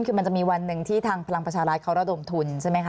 คือมันจะมีวันหนึ่งที่ทางพลังประชารัฐเขาระดมทุนใช่ไหมคะ